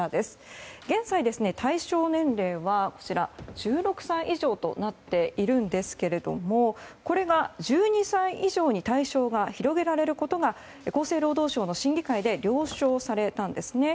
現在、対象年齢は１６歳以上となってるんですけどこれが１２歳以上に対象が広げられることが厚生労働省の審議会で了承されたんですね。